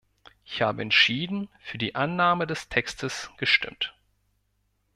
Ich habe entschieden für die Annahme des Textes gestimmt.